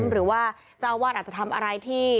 หรือว่าเจ้าอาวาสอาจจะทำอะไรที่